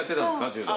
柔道。